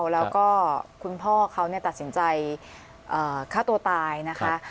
แล้วก็คุณพ่อเขาตัดสินใจฆ่าตัวตายนะคะ